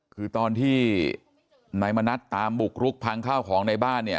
คือตอนที่นายมณัฐตามบุกรุกพังข้าวของในบ้านเนี่ย